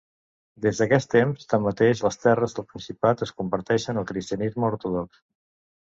Des d'aquest temps, tanmateix, les terres del principat es converteixen al Cristianisme ortodox.